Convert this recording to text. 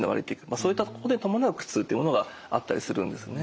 そういったところで伴う苦痛ってものがあったりするんですね。